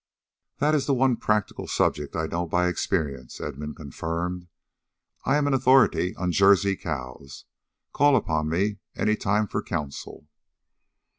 "That is the one practical subject I know by experience," Edmund confirmed. "I am an authority on Jersey cows. Call upon me any time for counsel."